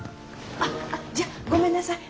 あっじゃあごめんなさい。